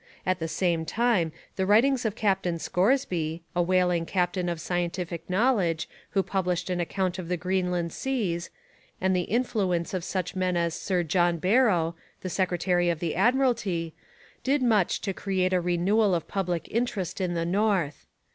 At the same time the writings of Captain Scoresby, a whaling captain of scientific knowledge who published an account of the Greenland seas, and the influence of such men as Sir John Barrow, the secretary of the Admiralty, did much to create a renewal of public interest in the north.